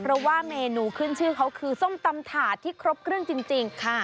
เพราะว่าเมนูขึ้นชื่อเขาคือส้มตำถาดที่ครบเครื่องจริงค่ะ